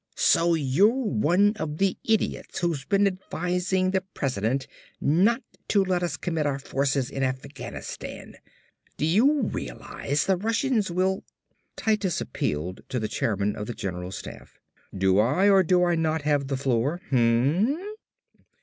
"So you're one of the idiots who's been advising the President not to let us commit our forces in Afghanistan. Do you realize the Russians will " Titus appealed to the Chairman of the General Staff. "Do I or do I not have the floor? Hm m m?"